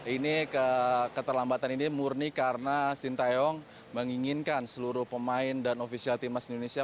ini keterlambatan ini murni karena sintayong menginginkan seluruh pemain dan ofisial timnas indonesia